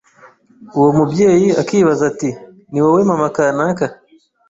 uwo mubyeyi akibaza ati ni wowe mama kanaka